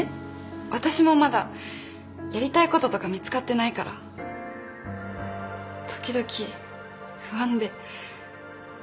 私もまだやりたいこととか見つかってないから時々不安で。